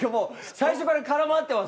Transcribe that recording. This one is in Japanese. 最初から空回ってます。